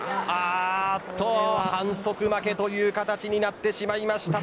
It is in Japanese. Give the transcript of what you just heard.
反則負けという形になってしまいました。